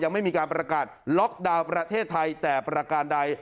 ยังไม่มีการประกาศล็อกดาวน์ประเทศไทยแต่ประการใด